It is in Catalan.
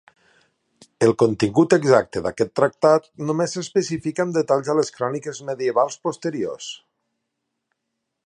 El contingut exacte d'aquest tractat només s'especifica amb detalls a les cròniques medievals posteriors.